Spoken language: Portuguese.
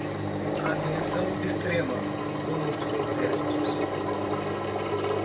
Atenção extrema com os protestos